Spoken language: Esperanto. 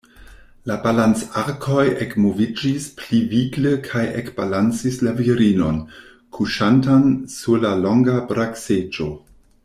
La balancarkoj ekmoviĝis pli vigle kaj ekbalancis la virinon, kuŝantan sur la longa brakseĝo.